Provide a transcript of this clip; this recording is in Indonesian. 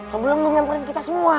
sabar lo nyamperin kita semua